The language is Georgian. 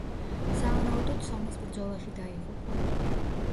სავარაუდოდ სომის ბრძოლაში დაიღუპა.